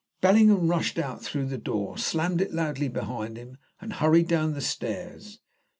Bellingham rushed out through the door, slammed it loudly behind him, and hurried down the stairs.